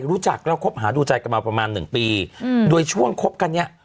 รู้จักแล้วคบหาดูใจกันมาประมาณหนึ่งปีอืมโดยช่วงคบกันเนี้ย